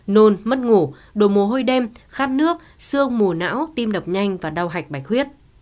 nôn mất ngủ đồ mồ hôi đêm khát nước sương mùa não tim đập nhanh và đau hạch bạch huyết